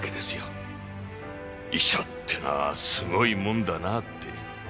医者ってのはすごいもんだなって。